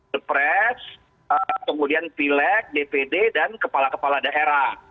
the press kemudian pileg dpd dan kepala kepala daerah